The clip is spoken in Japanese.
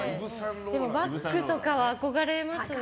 でもバッグとかは憧れますね。